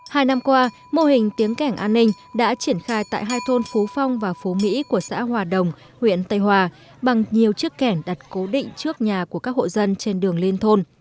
hai năm qua mô hình tiếng cảnh an ninh đã triển khai tại hai thôn phú phong và phú mỹ của xã hòa đồng huyện tây hòa bằng nhiều chiếc kẻn đặt cố định trước nhà của các hộ dân trên đường lên thôn